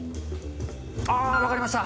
ああ、分かりました。